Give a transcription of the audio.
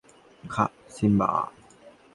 খা, সিম্বা!